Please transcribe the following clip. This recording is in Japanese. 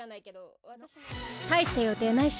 大した予定ないし。